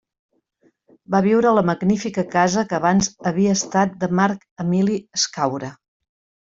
Va viure a la magnífica casa que abans havia estat de Marc Emili Escaure.